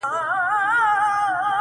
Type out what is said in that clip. سکون مي ستا په غېږه کي شفا دي اننګو کي,